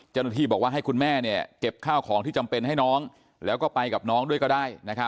เจ้าหน้าที่บอกว่าให้คุณแม่เก็บข้าวของที่จำเป็นให้น้องแล้วก็ไปกับน้องด้วยก็ได้